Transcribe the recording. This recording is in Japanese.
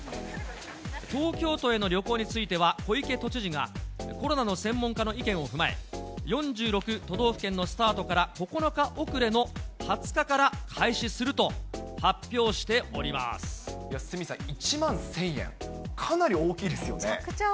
東京都への旅行については、小池都知事が、コロナの専門家の意見を踏まえ、４６都道府県のスタートから９日遅れの２０日から開始すると発表鷲見さん、１万１０００円、めちゃくちゃ大きいですよ。